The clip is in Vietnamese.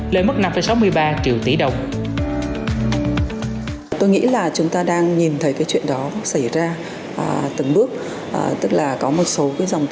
lên mức năm sáu mươi ba triệu tỷ đồng